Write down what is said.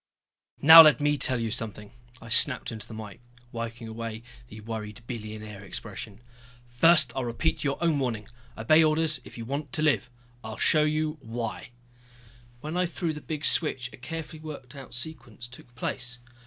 "Now let me tell you something," I snapped into the mike, wiping away the worried billionaire expression. "First I'll repeat your own warning obey orders if you want to live. I'll show you why " When I threw the big switch a carefully worked out sequence took place.